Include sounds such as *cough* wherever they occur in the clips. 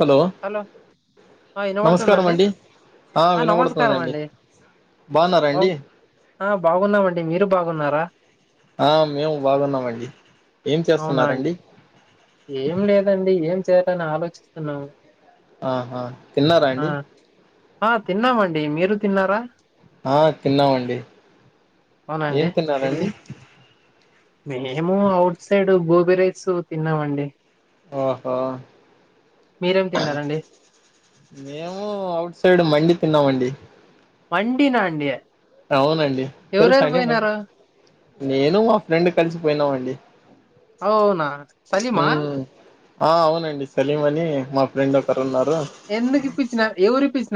Hello ఆ నమస్కారం వినబడుతుందండి అండి ఆ నమస్కారం వినవడుతుదండి. అండి బా బావున్నారండి. ఆ బాగున్నామండి మీరు బాగున్నారా ఆ మీమ్ బాగున్నామండి ఏం అవునా అండి చేసున్నారండి. ఏం లేదండి ఏం చేయాలని ఆలోచిస్తున్నాం ఆహా తిన్నారా అండి. ఆ తిన్నామండి, మీరు తిన్నారా. ఆ తిన్నామండి ఏం అవునండి తిన్నారండి. ఏ- మేము అఔట్ సైడ్ గోబి రైస్ తిన్నావండి. ఆఓహో మీరేమ్ తిన్నారండి. మేము అవుట్ సైడ్ మండి తిన్నావండి. వండీ నాండయే అవునండి తెలుసా అండి మై నేను మా ఫ్రెండ్ కలిసిపోయినావండి. అవునా సలీమా ఉమ్ ఆ అవునండి సలీం అని మా ఫ్రెండ్ ఒకరు ఉన్నారు. ఎందుకు ఇపిచ్చినార్ ఎవర్ పీస్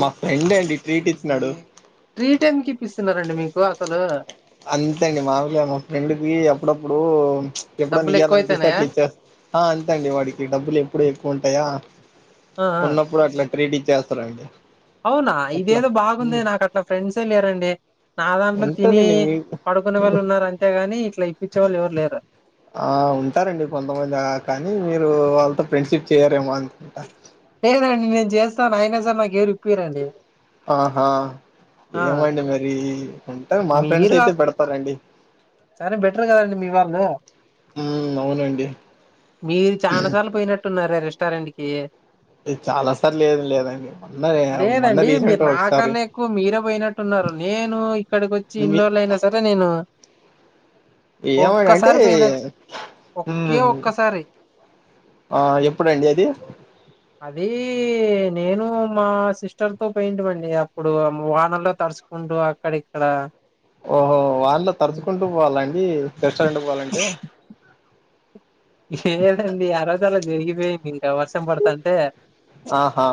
మా ఫ్రెండే అండి ట్రీట్ ఇచ్చినాడు ట్రీట్ ఎందుకు ఇప్పిసున్నారండి మీకు అసలు. అంతేండి మామూలుగా మా ఫ్రెండ్ కి అప్పుడప్పుడు ఎప్పుడో డబ్బులు ఇయల్ ఎక్కువ అనిపిస్తే అయితాన్నాయా అట్లా ఇచ్చేస్ ఆ అంతే అండి వాడికి డబ్బులు ఎప్పుడ ఎక్కువ ఉంటాయా ఆ ఆ ఉన్నప్పుడు అట్లా ప్రేటి చేస్తారా అండి. అవునా ఇదేదో బాగుందే నాకు అట్లా ఫ్రెండ్స్ ఏ లేరండే. నా దాంట్లో తిని ఉంటారండి మీ పడుకునే వాళ్ళు ఉన్నారు అంతేగాని ఇట్లా ఇప్పించే వాళ్ళు ఎవరు లేరు ఆ ఉంటారండి కొంతమంది ఆ కానీ మీరు వాళ్ళతో ఫ్రెండ్షిప్ చేయరేమో అ ఉంటా లేదండి నేను చేస్తాను అయినా సరే నాకేరుక్వెరండి. ఆహా ఏవండీ మరి ఉంట మా ఫ్రెండ్స్ మీరు అయితే ఆహ్, పెడతారండి. సరే బెటర్ గదండి మీ వాళ్ళో హుమ్మ్ అవునండి. మీరు చానా సార్లు పోయినట్టున్నారే రెస్టారెంట్ కి ఇది చాలా సార్లు లేదు లేదండి మొన్న మొన్న లేదండి. రీసెంట్ మీరు నా ఒకసారి కన్నా ఎక్కువ మీరే ఓయినట్ టున్నారు నేను ఇక్కడికి వచ్చి మీ ఇంర్లోల్ అయినా సరే నేను యేవా గంటే ఒక్కసారి బోయిన. ఒకే ఉహ్ ఒక్కసారి. ఆ యేప్పుడండి అది అది నేను మా సిస్టర్ తో పెయింటివండి అప్పుడు వానలో తడుచుకు కుంటు అక్కడ ఇక్కడ ఓహో వానలో హ్మ్. తడుచుకుంటూ పోవాలండి రెస్టారెంట్ కు పోవాలంటే లేదండి ఆ రోజు అలా జరిగిపోయింది ఇంకా వర్షం పడుతుంటే ఆహా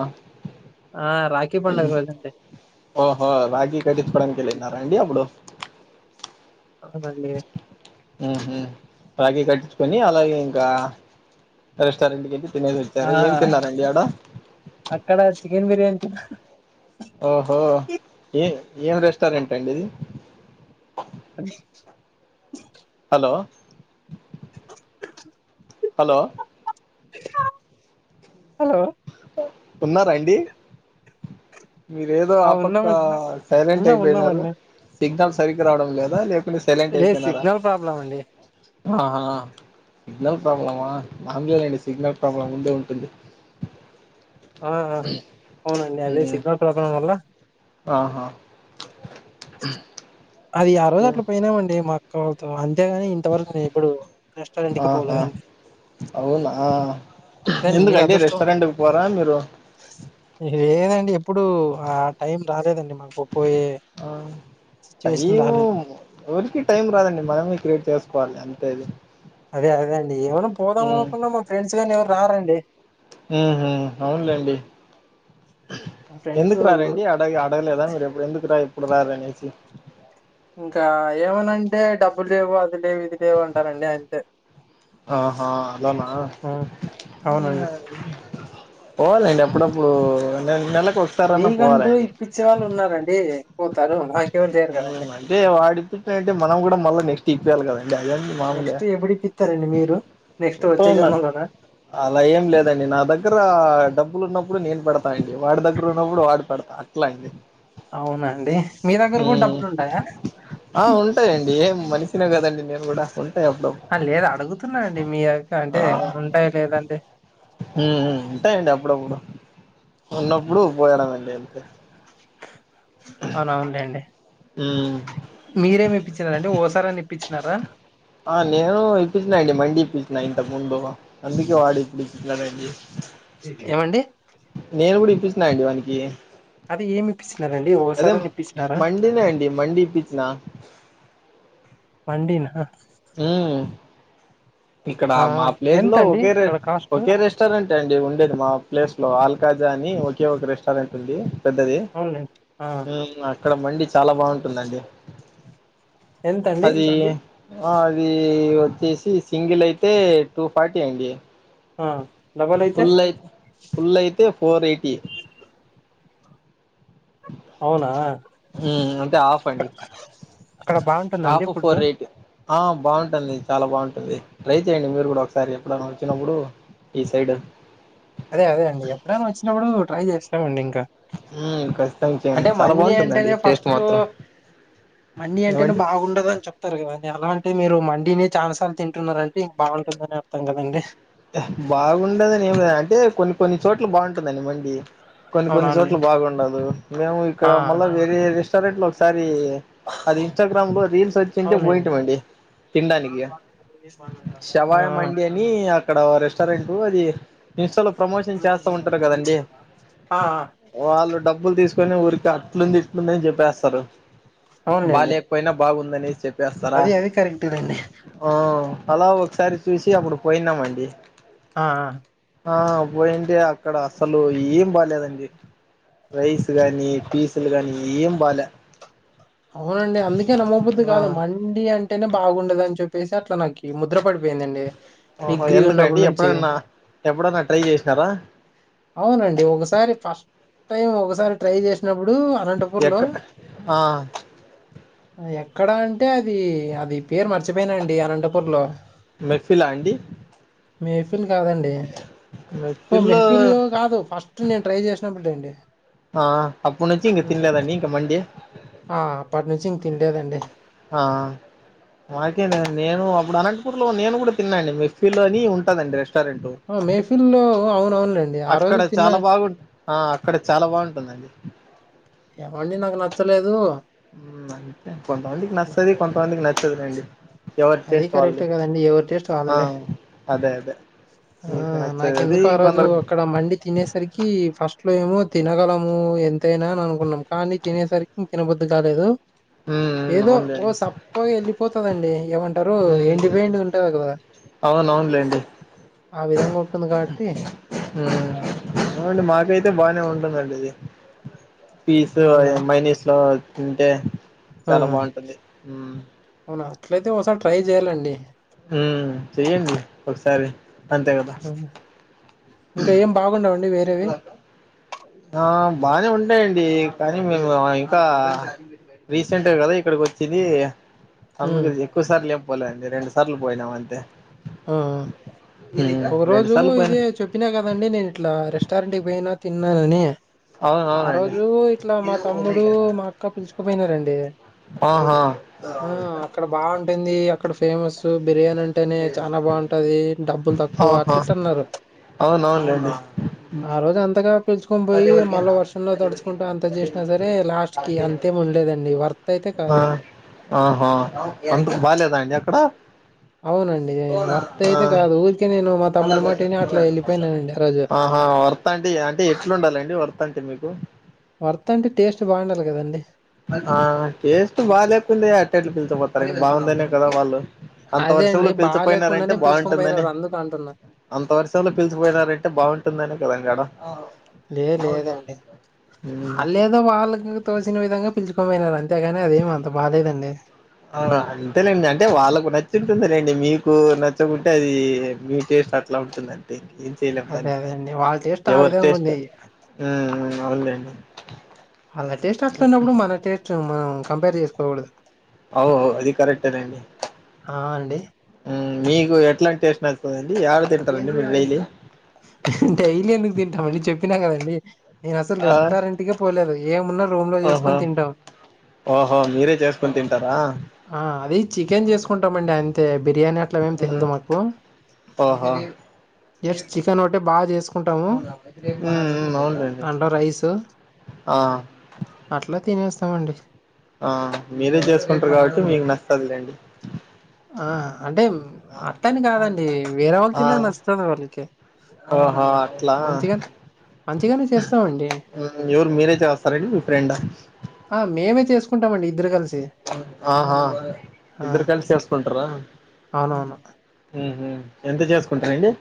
ఆ రాఖీ పండుగ రోజండి ఓహో రాకి కట్టించుకోటానికి వెళ్ళినా రా అండి అప్పుడు అవునండి వు హామ్ రాకీ కట్టించుకొని అలాగే ఇంకా రెస్టారెంట్ కి వెళ్ళి తినేసి వ ఆ సరే ఏం తిన్నారండి ఆడ అక్కడ చికెన్ బిర్యానీ తిన ఓహో ఏ ఏం రెస్టారెంట్ అండి ఇది అది హలో హలో హలో ఉన్నారా అండి మీరు ఏదో ఆ ఆపక్క ఉన్నామండి సైలెంట్ ఉన్నాం అయిపోయినారు ఉన్నామండి సిగ్నల్ సరిగా రావడం లేదా లే సైలెంట్ లేదు అయిపోయినారా సిగ్నల్ ప్రాబ్లం అండి ఆహా సిగ్నల్ ప్రాబ్లమ్మా మాంగ్లేనండి *unintelligible* సిగ్నల్ ప్రాబ్లమ్ ఉందే ఉంటుంది ఆహా అవునండి అదే ఉమ్ సిగ్నల్ ప్రభావం వల్ల ఆహా అది ఆ రోజు అట్లా పోయినామండి మా అక్క వాళ్ళతో అంతేగాని ఇంతవరకు నేను ఎప్పుడు రెస్టారెంట్ కి ఆహా పోలేదండి అవునా లేండి మీరు ఎందుకండి అదృష్టం రెస్టారెంట్కి పోరా మీరు లేదండి ఎప్పుడు ఆ టైం రాలేదండి మాకు పో యే ఆ ఏమో ఎవరికి టైం రాదండి మనమే క్రియేట్ చేసుకోవాలి అంతే అది అదే అదే అండి ఏమైన్నా పోదాం అనుకున్నా మా ఫ్రెండ్స్ గానీ ఎవరు రారండి హు హామ్ అవునులేండి మా ఫ్రెండ్స్ ఎందుకు రారండి అ అడగలేదా మరి ఎప్పుడు ఎందుకు రా ఇప్పుడు రారనేసి ఇంకా ఏమనంటే డబ్బు లేవు అది లేవు ఇది లేవు అంటారండి అంతే ఆహా అలానా ఆ అవునండి పోవాలండి అప్పుడప్పుడు న నెలకు వ మీకంటూ ఇప్పిచ్చే వాళ్ళు ఉన్నారండి పోతారు మా ఉం అంటే వాడు ఇప్పుతుంటే మనం కూడా మళ్ళీ నెక్స్ట్ ఇప్పియాలి కదండి ఆయన్ని నెక్స్ట్ ఎప్పుడూ ఇప్పిస్తారండి మీరు నెక్స్ట్ వచ్చే ఎప్పుడైనా జన్మలోన అలా ఏం లేదండి నా దగ్గర డబ్బులు ఉన్నప్పుడు నేను పెడతా అండి వాడి దగ్గర ఉన్నప్పుడు వాడు పెడతా అట్లా అండి అవునండి మీ దగ్గర కూడా హ్మ్ డబ్బులు ఉంటాయా ఆ ఉంటాయండి ఏం మనిషినే కదండి నేను కూడా ఉంటాయి అప్పుడు ఆ లేదు అడుగుతున్నానండి మీ యొక్క అంటే ఉంటాయి లేదండి ఉం ఉంటాయండి అప్పుడప్పుడు ఉన్నప్పుడు పోయాడం అండి అంతే అవునవును లేండి హ్మ్ మీరేమి ఇప్పించినారండి ఓసారా అని ఇప్పించినారా ఆ నేను ఇప్పిచిన అండి మండి ఇప్పించినా ఇంతకు ముందు అందుకే వాడు ఇప్పుడు ఇప్పిచీ నాడండి ఏమండి నేను కూడ ఇప్పిస్తున్నానండి వానకి అది ఏమి ఇప్పిస్తున్నారండి ఒకసారి అయిన ఇప్పించినార లేదండి మల్లి ఇప్పించిన మండినా ఇక్కడ ఆ మా ప్లేస్ లో ఎంతండి ఒకే రష్ అక్కడ కాస్ట్ ఒకే రెస్ రెస్టారెంట్ అండి ఉండేది మా ప్లేస్ లో ఆల్కాజ అని ఒకే ఒక రెస్టారెంట్ ఉంది పెద్దది అవునులేండి ఆ అక్కడ మండి చాలా బాగుంటుందండి ఎంతండి అది ఆ అది వచ్చేసి సింగిల్ అయితే టూ ఫార్టీ అండి ఆ డబల్ అయితే ఫుల్ అయి ఫుల్ అయితే ఫోర్ ఎయిటీ అవునా ఉమ్ అంటే హాఫ్ అండి అక్కడ బాగుంటుందండి హాఫ్ ఫుడ్ ఫోర్ ఎయిటీ ఆ బాగుంటుంది చాల బాగుంటుంది ట్రై చేయండి మీరు కూడ ఒకసారి ఎప్పుడన్న వచ్చినప్పుడు ఈ సైడ్ అదే అదే అండి ఎప్పుడైనా వచ్చినప్పుడు ట్రై చేస్తామండి ఇంకా ఉమ్ కస్ అంటే మండి అంటేనే ఫస్ట్ మండిీ అంటేనే ఏమండి బాగుండదు అని చెప్ చెస్తారు కదండి అలాంటే మీరు మండినే చాన సార్లు తింటున్నారంటే ఇంకా బాగుంటుందని అర్థాం కదండి బాగుండదని ఏమి అంటే కొన్ని కొన్ని చోట్ల బాగుంటుందండి మండి కొన్ని కొన్ని చోట్ల అవునవునులేండి బాగుండదు మేము ఇక్కడ ఆ మళ్ళా వేరే రెస్టారెంట్ లో ఒకసారి అది ఇన్స్టాగ్రామ్ లో రీల్స్ వచ్చింటే అవునండి పోయింటామండి ఆ తినడానికి శవాయ మండి అని అక్కడ రెస్టారెంట్ అది ఇస్టాలో ప్రమోషన్ చేస్తా ఉంటారు కదండి ఆ వాళ్ళు డబ్బులు తీసుకొని ఊరికి అట్లుంది ఇట్లుంది అని చెప్పేస్తారు అవునులేండి బాలె పోయినా బాగుందని చెప్ అది అది కరెక్ట్ నె అండి ఆ అలా ఒకసారి చూసి అప్పుడు పోయినామండి ఆ ఆ పోయింటె అక్కడ అసలు ఏం బాలేదండి రైస్ గాని పీసులు గానీ ఏం బాల అవునండి అందుకే నమ్మబద్ది ఆ కాదు మండి అంటేనే బాగుండదని చెప్పేసి అట్లా నాకు ఈ ముద్ర పడిపోయిందండి డిగ్రీ ఉన్నప్పుటి నుంచి ఎప్పుడన్న ట్రై చేసినార అవునండి ఒకసారి ఫస్ట్ టైం ఒకసారి ట్రై చేసినప్పుడు అనంట ఎక్ ఆ ఆ ఎక్కడ అంటే అది అది పేరు మర్చిపోయనండి అనంతపూర్ లో మెఫిలా అండి మీ మెహఫిల్ కాదండి ఓ మెఫిల్ మెహఫిల్ కాదు ఫస్ట్ నేను ట్రై చేసినప్పుడు అండి ఆ అప్పుడు నుంచి ఇక తినలేదండి ఇంక మండి ఆ అప్పటినుంచి ఇంక తినలేదండి ఆ మనకే నండి నేను అప్పుడు అనంతపూర్ లో నేను కూడా తిన్నాండి మెఫిలో అని ఉంటాదండి రెస్టారెంట్ ఆ మేహఫిల్ లో అవున అవునులే అండి ఆ రోజు అక్కడ తిన్న చాలా బాగుంట ఆ అక్కడ చాల బాగుంటుందండి ఎ మండి నాకు నచ్చలేదు అంతే కొంతమందికి నచ్చతది కొంతమందికి నచదు లేండి. అది కరెక్ట్ కదండి. ఎవరి టేస్ట్ ఆ వాళ్లదే. అదే అదే ఆ మీకు నచ్చది అది నాకెందుకు ఆ రోజు ఇంకొందరికి అక్కడ మండి తినేసరికి ఫస్ట్ లో ఏమో తినగలము ఎంతైనా అని అనుకున్నాం. కానీ తినేసరికి ఇం తినబద్దు కాలేదు మ్మ్ మ్మ్ ఏదో ఓ అవునులేండి సప్పగా వెళ్ళిపోతుదండి. అంటారు. ఎండి మ్మ్ పోయింది ఉంటంది. కదా అవును అవునులేండి ఆ విధంగా ఉంటుంది. కాబట్టి హ్మ్మ్ అవుండి మాకైతే బానే ఉంటుందండి. ఇది ఫీస్ అవునా! మెయినీస్ లో తింటే ఆ! చాలా బాగుంటుంది. అవునా అట్లయితే ఒకసారి ట్రై చేయ్యాలండి. హ్మ్మ్ చెయ్యడి. ఒకసారి అంతే కదా ఇంకా ఏం బాగుండవండి వేరేవి ఆ బానే ఉంటాయంండి. కానీ మేము ఇంకా రీసెంట్ గా కదా ఇక్కడికి వచ్చిది. అందుకు హ్మ్. ఎక్కువ సార్లు లేపోలేండి. రెండు సార్లు పోయినామ అంతే ఆ ఒక రెండు రోజు సార్లు పోయినా ఇదే చెప్ తిన కదండి. నేను ఇట్లా రెస్టారెంట్ కి పోయినా తిన్నానని అవును ఆ అవునండి రోజు ఇట్లా మా తమ్ముడు మా అక్క పిలుచుకోపోయినారండి. ఆహా ఆ అక్కడ బాగుంటుంది. అక్కడ ఫేమస్ బిర్యానీ అంటేనే చాలా బాగుంటది. డబ్బులు తక్కువ ఆహా అట్లా ఇట్ల అన్నారు. అవునవునులేండి ఆ రోజు అంతగా పిలుుకొని పోయి మళ్ళా వర్షంలో తడుచుకుంటూ అంత చేసినా సరే లాస్ట్ కి అంతేం ఉండలేదండి. వర్త్ అయితే ఆ కాదు ఆహా అంత బాగాలేదాఅండి అక్కడ అవునండి. వర్త్ ఆ అయితే కాదు, ఊరికే నేను మా తమ్ముని మాటని అట్లా వెళ్ళిపోయినానండి. ఆ రోజు ఆహా వర్త్ అంటే అంటే ఎట్లు ఉండాలండి. వర్త్ అంటే మీకు వర్త అంటే టేస్ట్ బాగుండాలి కదండి. ఆ టేస్ట్ బాగాలేకుంది అట్ట అట్లు పిలిచిపోతారు బాగుందనే కదా వాళ్ళు అంత అదే అండి వర్షంలో పిలిచిపోయినారంటే బాలేకుండానే పిలుచుకొని బాగుంటుందని పోయినారు అందుకు అంటున్నా. అంత వర్షల్లో పిలిచపోయిారంటే బాగుంటుందనే కదాం గడ లే లేదండి ఆడ ఆలే ఏదో వాళ్ళ తోసిన విధంగా పిలుచుకని పోయినారు. అంతేగాని అదేమఅంత బాలేదండి. అంతేలేండి. అంటే వాళ్ళకు నచ్చింటుందిలేండి. మీకు నచ్చకుంటే అది మీ టేస్ట్ అట్లా ఉంటుందంటే ఏం చేయలేము అదే దాన్ని అదే అండి వాళ్ళ టేస్ట్ ఆ ఎవరు విధంగా టేస్ట్ ఉంది. ఉ అవును లేండి ఆళ్ల టేస్ట్ అట్లున్నప్పుడు మన టేస్ట్ మనం కంపేర్ చేసుకోకూడదు. అవ్అవ్ అది కరెక్ట్నండి. ఆ అండి మీకు ఎట్లాంటి టేస్ట్న్ నచ్చస్తుందండి. ఎడా తింటారండి మీరు డైలీ డైలీ ఎందుకు తింటామండి. చెప్పినా కదండి. నేను అసలు ఆ! రెస్టారెంట్ కు పోలేదు. ఏమున్నా రూమ్ లో ఓహో! చేసుకుొని తింటాం. ఓహో మీరే చేసుకుని తింటారా. ఆ అది చికెన్ చేసుకుంటామండి. అంతే బిర్యానీ అట్లమేమి తెలియదు మాకు ఆహా జస్ట్ చికెన్ ఒకటి బాగా చేసు కుంటాము హ్మ్. అవునులేండి. అంట రైస్ ఆ! అట్లా తినేస్తామండి ఆ మీరే చేసుకుంటారు కాబట్టి మీకు నచ్చుతది లేండి ఆ అంటే అట్లాని కాదండి వేరే వాళ్ళు ఆ! తిన్న నచ్చుతది వాళ్ళకి ఓహో అట్లా మంచిగా మంచిగానే చేస్తామండి. ఏవరు మీరే చేస్తారా అండి మీ ఫ్రెండ్ ఆ ఆ మేమే చేసుకుంటాం అండి ఇద్దరు కలిసి ఆహా ఆ! ఇద్దరూ కలిసి చేసుకుంటారా అవునవును. ఉహు ఎంత చేసుకుంటారు అండి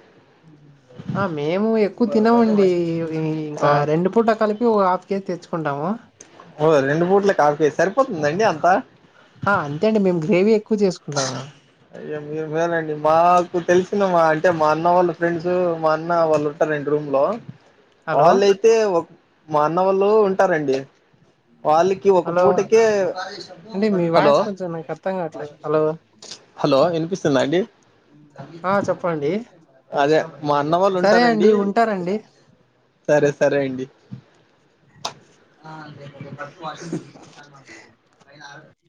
ఆ మేము ఎక్కువ తినమండి అవి ఆ ఇంకా రెండు పూటలకి కలిపి ఓ హాఫ్ కేజీ తెచ్చుకుంటాము ఓ రెండు పుట్లకి కాల్ కేజీ సరిపోతుందండి అంత ఆ అంతే అండి మేము గ్రేవీ ఎక్కువ చేసుకుంటాము అది మేము మేము కాదండి మాకు తెలిసిన మా అంటే మా అన్న వాళ్ళ ఫ్రెండ్స్ మా అన్న వాళ్ళుంటారు కదండి రూమ్ లో హలో! వాళ్ళు ఆయితే మా అన్న వాళ్ళు ఉంటారండి వాళ్ళకి ఒక హలో! పూటకే అండి మీ వాయిస్ కొంచెం నాకు అర్థం కావట్లేదు. హలో! హలో వినిపిస్తుందా అండి ఆ! చెప్పండి. అదే మా అన్న వాళ్ళు సరే ఉంటారండి అండి ఉంటారండి. సరే సరే అండి వాషింగ్ మిషన్ *inaudible*